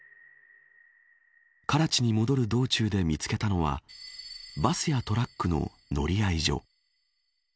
カラチに戻る道中で見つけたのはバスやトラックの乗合所。